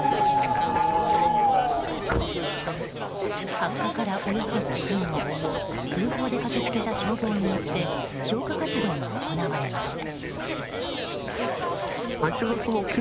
発火からおよそ５分後通報で駆け付けた消防によって消火活動が行われました。